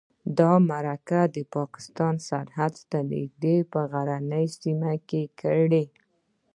دا مرکه پاکستان سرحد ته نږدې په غرنۍ سیمه کې کړې.